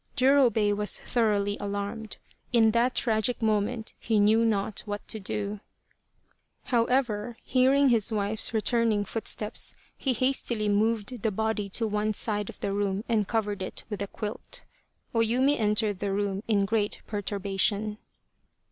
Jurobei was thoroughly alarmed. In that tragic moment he knew not what to do. However, hearing c 33 The Quest of the Sword his wife's returning footsteps, he hastily moved the body to one side of the room and covered it with a quilt. O Yumi entered the room in great perturba tion.